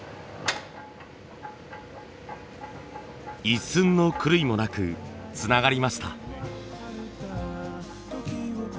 一寸の狂いもなくつながりました。